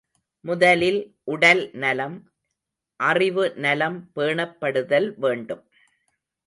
முதலில் உடல் நலம், அறிவு நலம் பேணப்படுதல் வேண்டும்.